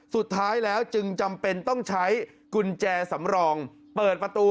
สุดท้ายแล้วจึงจำเป็นต้องใช้กุญแจสำรองเปิดประตู